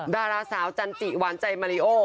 ดาราสาวจันจิหวานใจมาริโอ